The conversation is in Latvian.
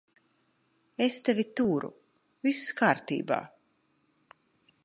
Es tevi turu. Viss kārtībā.